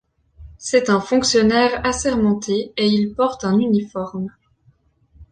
C’est un fonctionnaire assermenté et il porte un uniforme.